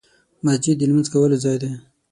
مسجد د لمونځ کولو ځای دی .